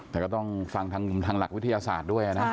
แต่ก็ต้องฟังทางหลักวิทยาศาสตร์ด้วยนะ